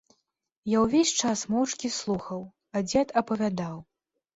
Я ўвесь час моўчкі слухаў, а дзед апавядаў.